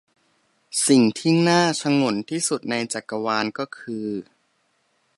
สิ่งที่น่าฉงนที่สุดในจักรวาลก็คือ